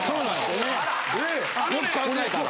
よく考えたら。